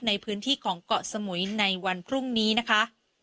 ในพื้นที่ของเกาะสมุยในวันพรุ่งนี้นะคะ